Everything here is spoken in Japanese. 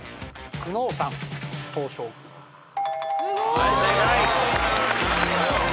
はい正解。